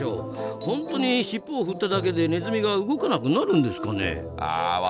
本当にしっぽを振っただけでネズミが動かなくなるんですかね？